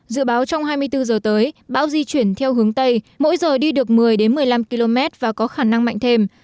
dự báo trong hai mươi bốn giờ tới bão di chuyển theo hướng tây mỗi giờ đi được một mươi một mươi năm km và có khả năng mạnh thêm